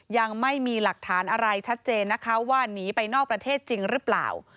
ยังไม่มีหลักฐานอะไรชัดเจนนะคะว่าหนีไปนอกประเทศจริงหรือเปล่า